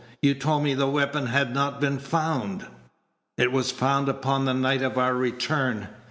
You told me the weapon had not been found." "It was found upon the night of our return."